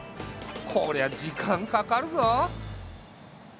こりゃ時間かかるぞ。